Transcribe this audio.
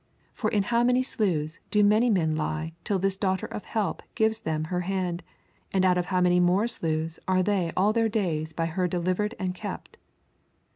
For in how many sloughs do many men lie till this daughter of Help gives them her hand, and out of how many more sloughs are they all their days by her delivered and kept!